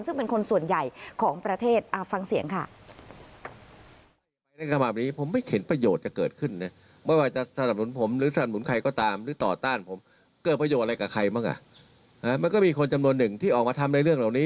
ซึ่งเป็นคนส่วนใหญ่ของประเทศฟังเสียงค่ะ